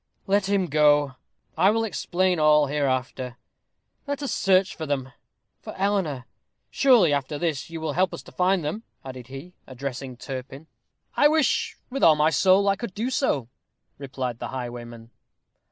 "Let him go. I will explain all hereafter. Let us search for them for Eleanor. Surely, after this, you will help us to find them," added he, addressing Turpin. "I wish, with all my soul, I could do so," replied the highwayman.